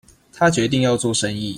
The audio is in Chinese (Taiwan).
他決定要做生意